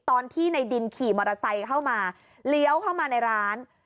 ตอนที่ในดินขี่มอเตอร์ไซค์เข้ามาเลี้ยวเข้ามาในร้าน